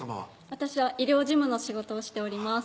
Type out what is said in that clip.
私は医療事務の仕事をしております